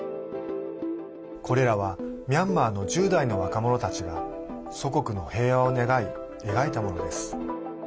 これらはミャンマーの１０代の若者たちが祖国の平和を願い描いたものです。